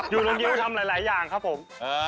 อยู่ตรงดิวทำหลายอย่างครับผม